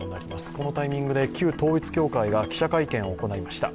このタイミングで、旧統一教会が記者会見を行いました。